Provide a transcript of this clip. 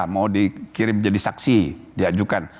mau dikirim jadi saksi diajukan